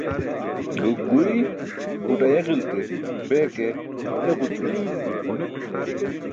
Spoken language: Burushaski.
Gok guiy but ayeġiltir, bee ke eġulturćuma.